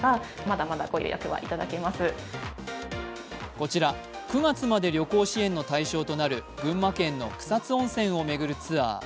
こちら、９月まで旅行支援の対象となる、群馬県の草津温泉を巡るツアー。